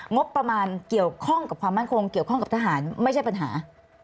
งบประมาณเกี่ยวข้องกับความมั่นคงเกี่ยวข้องกับทหารไม่ใช่ปัญหา